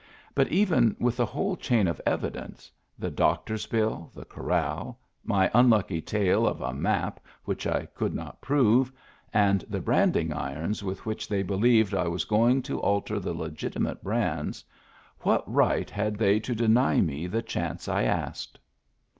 But even with the whole chain of evidence: the doctor's bill, the corral, my unlucky tale of a map which I could not prove, and the branding irons with which they believed I was going to alter the legitimate brands — what right had they to deny me the chance I asked